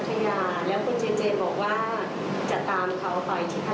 บ้านมักจะถูกขโมยของอยู่เรื่อยค่ะ